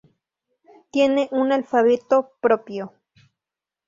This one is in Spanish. Tiene un alfabeto propio.